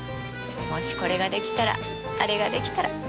もしこれができたらあれができたら。